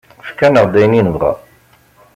Efk-aneɣ-d ayen i nebɣa.